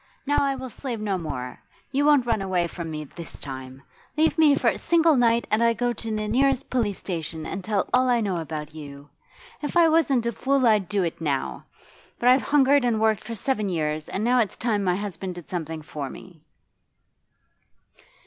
Now I will slave no more. You won't run away from me this time. Leave me for a single night, and I go to the nearest police station and tell all I know about you. If I wasn't a fool I'd do it now. But I've hungered and worked for seven years, and now it's time my husband did something for me.